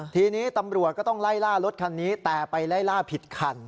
ทีนี้ตำรวจก็ต้องไล่ล่ารถคันนี้แต่ไปไล่ล่าผิดคัน